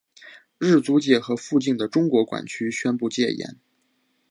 日租界和附近的中国管区宣布戒严。